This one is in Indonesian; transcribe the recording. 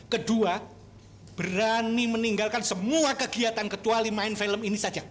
kedua berani meninggalkan semua kegiatan kecuali main film ini saja